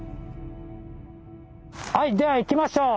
はいではいきましょう！